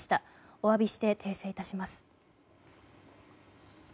お詫びして訂正いたします。